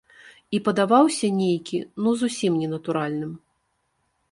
І падаваўся нейкі ну зусім ненатуральным.